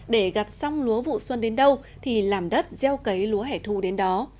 để gặt xong lúa vụ xuân đến đâu thì làm đất gieo cấy lúa hẻ thu đến đó